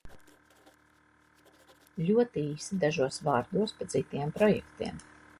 Ļoti īsi dažos vārdos par citiem projektiem.